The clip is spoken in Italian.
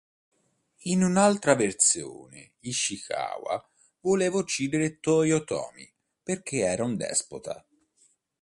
In un'altra versione, Ishikawa voleva uccidere Toyotomi perché era un despota.